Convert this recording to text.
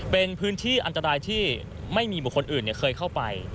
เป็นพื้นที่อันตรายที่ไม่มีบุคคลอื่นเคยเข้าไป